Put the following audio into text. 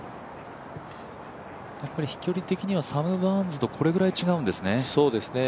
飛距離的にはサム・バーンズとこれぐらい違うんですね。